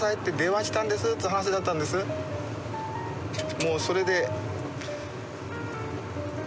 もうそれで。